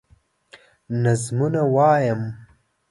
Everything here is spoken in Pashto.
نظمونه وايم